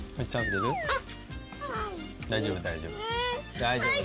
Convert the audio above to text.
大丈夫大丈夫。